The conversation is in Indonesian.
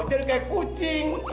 jadi kayak kucing